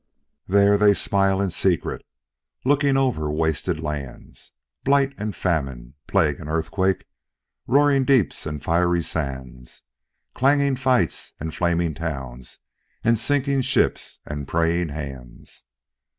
"*There* they smile in secret, looking over wasted lands, Blight and famine, plague and earthquake, roaring deeps and fiery sands, Clanging fights and flaming towns, and sinking ships and praying hands.